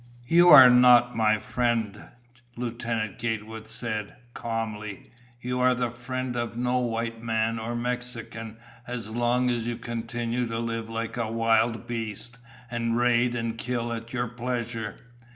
"You are not my friend," Lieutenant Gatewood said calmly. "You are the friend of no white man or Mexican as long as you continue to live like a wild beast, and raid and kill at your pleasure.